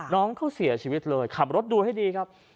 น้องเขาเสียชีวิตเลยขับรถดูให้ดีครับ